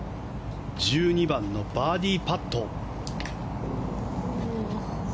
１２番のバーディーパット。